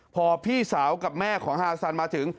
พอพี่สาวกับแม่ของฮาซันมาถึง